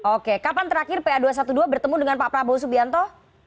oke kapan terakhir pa dua ratus dua belas bertemu dengan pak prabowo subianto